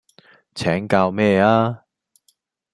請教咩吖